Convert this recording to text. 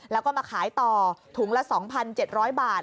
แล้วก็มาขายต่อถุงละ๒๗๐๐บาท